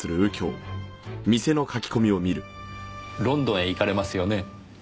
ロンドンへ行かれますよね？